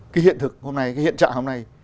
cái hiện thực hôm nay cái hiện trạng hôm nay